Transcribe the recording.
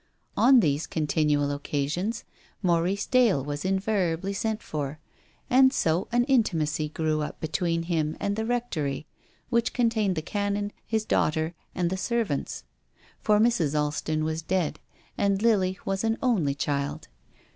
On these continual occasions Maurice Dale was invariably sent for, and so an intimacy grew up between him and the Rectory, which contained the Canon, his daughter, and the servants. For Mrs. Alston was dead, and Lily was an only child.